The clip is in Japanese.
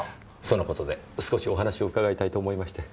その事で少しお話を伺いたいと思いまして。